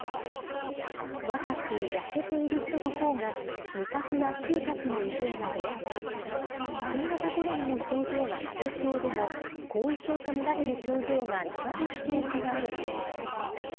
若く、痩せている人のほうが、味覚や嗅覚の異常が出やすく、新型コロナの症状が軽症でも、後遺症と見られる症状が長引くケースがあるとしています。